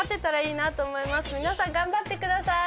皆さん頑張ってくださーい！